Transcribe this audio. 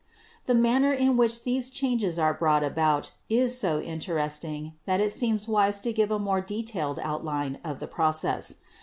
The manner in which these changes are brought about is so interesting that it seems wise to give a more detailed outline of the process.